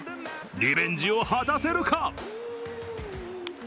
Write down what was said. リベンジを果たせるか？